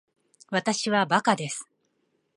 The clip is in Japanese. わたしはバカです